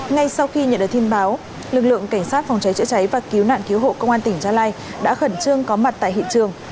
ngay sau khi nhận được tin báo lực lượng cảnh sát phòng cháy chữa cháy và cứu nạn cứu hộ công an tỉnh gia lai đã khẩn trương có mặt tại hiện trường